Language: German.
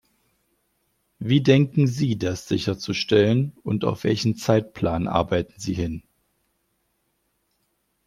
Wie denken Sie das sicherzustellen, und auf welchen Zeitplan arbeiten Sie hin?